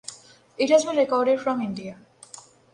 It has been recorded from India.